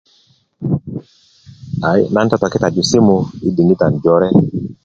ayi na totokitaju simú i dikita joré